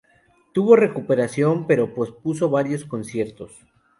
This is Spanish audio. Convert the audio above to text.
Tuvo recuperación pero pospuso varios conciertos.